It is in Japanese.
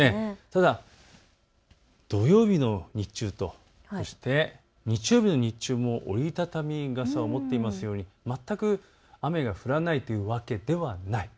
ただ土曜日の日中と日曜日の日中も折り畳み傘を持っているように、全く雨が降らないというわけではないです。